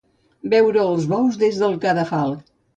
Veure els bous des del cadafal.